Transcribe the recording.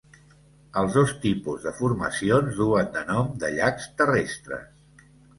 Els dos tipus de formacions duen de nom de llacs terrestres.